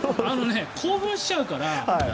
興奮しちゃうから。